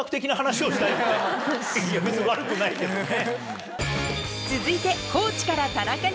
いや別に悪くないけどね。